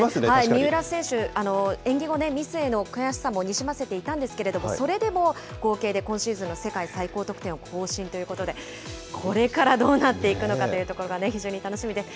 三浦選手、演技後ね、ミスへの悔しさもにじませていたんですけれども、それでも合計で今シーズンの世界最高得点を更新ということで、これからどうなっていくのかというところが非常に楽しみです。